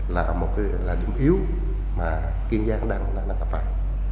là một điểm yếu mà kiên giang đang phạt